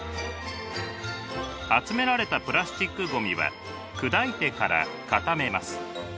集められたプラスチックごみは砕いてから固めます。